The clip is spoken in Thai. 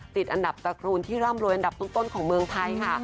ติดอันดับตระกูลที่ร่ำรวยอันดับต้นของเมืองไทยค่ะ